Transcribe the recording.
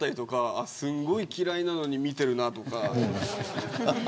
すごい嫌いなのに見てるなとか。